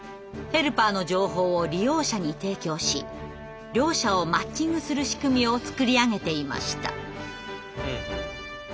ヘルパーの情報を利用者に提供し両者をマッチングする仕組みを作り上げていました。